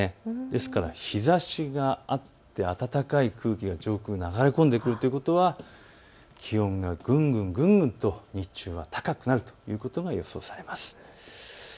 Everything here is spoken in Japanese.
ですから日ざしがあって暖かい空気が上空を流れ込んでくるということは、気温がぐんぐんと日中は高くなるということが予想されます。